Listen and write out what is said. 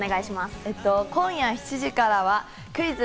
今夜７時からは『クイズ！